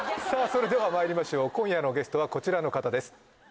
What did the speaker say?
それではまいりましょう今夜のゲストはこちらの方です